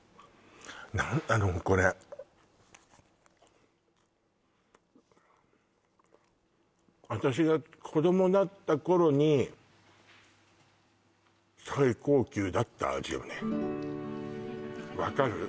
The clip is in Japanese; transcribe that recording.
何あのこれ私が子どもだった頃に最高級だった味よね分かる？